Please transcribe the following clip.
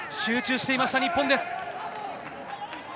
集中していました、日本です。